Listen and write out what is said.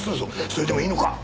それでもいいのか？